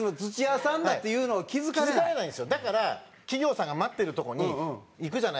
だから企業さんが待ってるとこに行くじゃないですか。